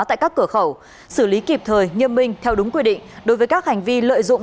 tại các cửa khẩu xử lý kịp thời nghiêm minh theo đúng quy định đối với các hành vi lợi dụng